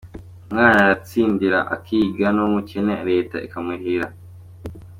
Umwana aritsindira akiga, n’uw’umukene leta ikamurihira.